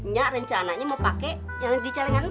nyak rencananya mau pake yang di calengan lu